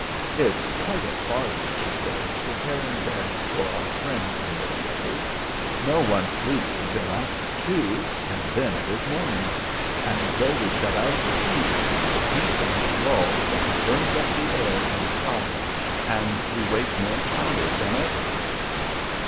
"It's quite a farce," she said, "preparing beds for our friends in this weather. No one sleeps until after two, and then it is morning; and though we shut out the heat, it beats on the walls and burns up the air inside, and we wake more tired than ever."